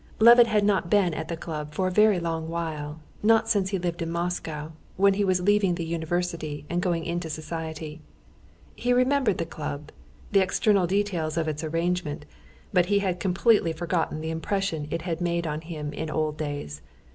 Levin had not been at the club for a very long while—not since he lived in Moscow, when he was leaving the university and going into society. He remembered the club, the external details of its arrangement, but he had completely forgotten the impression it had made on him in old days.